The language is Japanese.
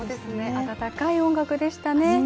温かい音楽でしたね。